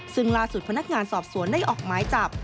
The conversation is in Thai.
ซึ่งล่าสุดพนักงานสอบสวนได้ออกหมายจับ